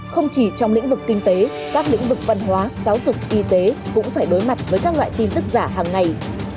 không chỉ trong lĩnh vực kinh tế các lĩnh vực văn hóa giáo dục y tế cũng phải đối mặt với các loại tin tức giả hàng ngày